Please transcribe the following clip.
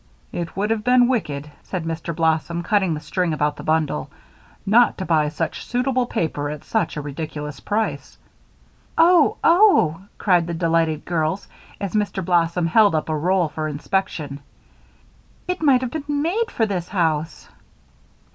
"It would have been wicked," said Mr. Blossom, cutting the string about the bundle, "not to buy such suitable paper at such a ridiculous price." "Oh! oh!" cried the delighted girls, as Mr. Blossom held up a roll for inspection. "It might have been made for this house!"